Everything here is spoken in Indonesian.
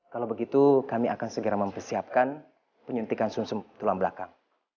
kalau begitu kami akan segera mempersiapkan penyuntikan sum sum tulang belakang